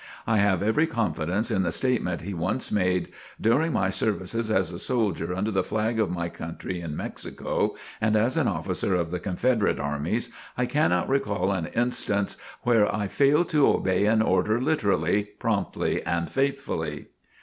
I have every confidence in the statement he once made: "During my services as a soldier under the flag of my country in Mexico, and as an officer of the Confederate armies, I cannot recall an instance where I failed to obey an order literally, promptly and faithfully."